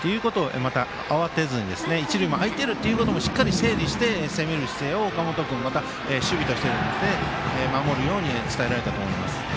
また慌てずに一塁も空いていることをしっかり整理して攻める姿勢を岡本君守備として攻める気持ちで守るように伝えられたと思います。